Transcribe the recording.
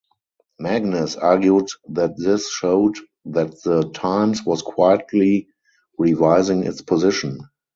Magness argued that this showed that the "Times" was quietly revising its position.